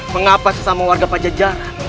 mengapa sesama warga pajajaran